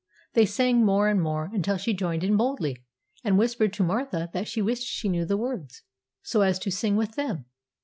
They sang more and more, until she joined in boldly, and whispered to Martha that she wished she knew the words, so as to sing with them.